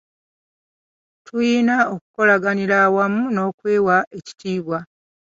Tuyina okukolaganira awamu n’okwewa ekitiibwa